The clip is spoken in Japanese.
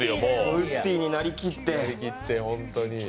ウッディになりきって。